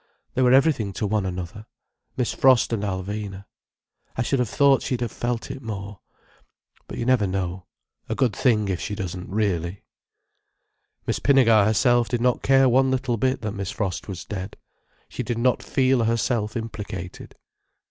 They were everything to one another, Miss Frost and Alvina. I should have thought she'd have felt it more. But you never know. A good thing if she doesn't, really." Miss Pinnegar herself did not care one little bit that Miss Frost was dead. She did not feel herself implicated.